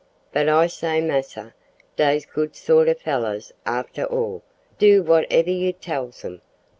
But, I say, massa, dey's good sort o' fellers after all do whatever you tells 'em.